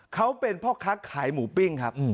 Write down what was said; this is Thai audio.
เขาเป็นพ่อค้าขายหมูปิ้งครับ